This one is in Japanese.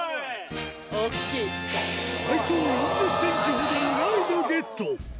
体長４０ｃｍほどのライギョゲット